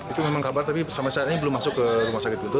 itu memang kabar tapi sampai saat ini belum masuk ke rumah sakit guntur